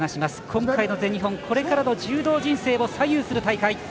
今回の全日本これからの柔道人生を左右する大会。